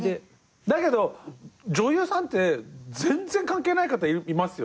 だけど女優さんって全然関係ない方いますよね。